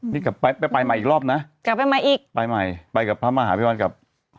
นี่ไปใหม่อีกรอบนะไปใหม่ไปกับพระมหาพิวันกลับ